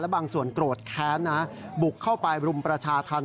บางส่วนโกรธแค้นนะบุกเข้าไปรุมประชาธรรม